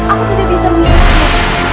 aku tidak bisa mengingatkanmu